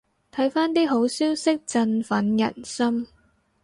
睇返啲好消息振奮人心